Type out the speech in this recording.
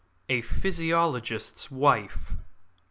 A PHYSIOLOGIST'S WIFE.